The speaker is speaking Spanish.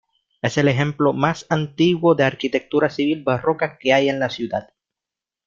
Es el ejemplo más antiguo de arquitectura civil barroca que hay en la ciudad.